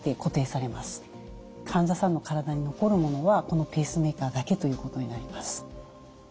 患者さんの体に残るものはこのペースメーカーだけということになります。